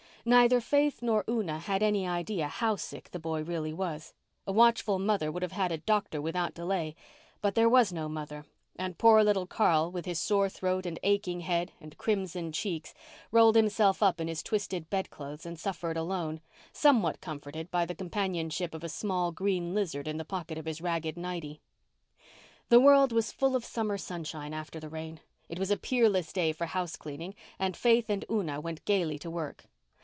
Neither Faith nor Una had any idea how sick the boy really was; a watchful mother would have had a doctor without delay; but there was no mother, and poor little Carl, with his sore throat and aching head and crimson cheeks, rolled himself up in his twisted bedclothes and suffered alone, somewhat comforted by the companionship of a small green lizard in the pocket of his ragged nighty. The world was full of summer sunshine after the rain. It was a peerless day for house cleaning and Faith and Una went gaily to work.